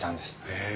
へえ。